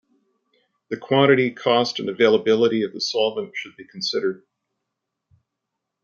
The quantity, cost and availability of the solvent should be considered.